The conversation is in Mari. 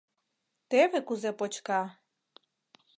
— Теве кузе почка!